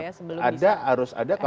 yang mengeluarkan anggaran itu ya pak ya